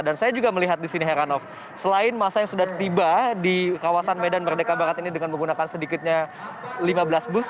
dan saya juga melihat di sini heran of selain massa yang sudah tiba di kawasan medan merdeka barat ini dengan menggunakan sedikitnya lima belas bus